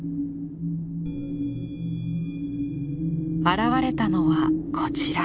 現れたのはこちら。